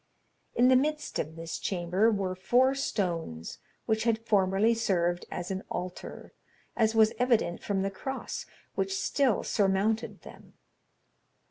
In the midst of this chamber were four stones, which had formerly served as an altar, as was evident from the cross which still surmounted them.